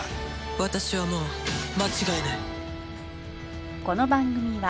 私はもう間違えない。